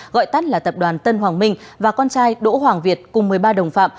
gọi tắt là tập đoàn tân hoàng minh và con trai đỗ hoàng việt cùng một mươi ba đồng phạm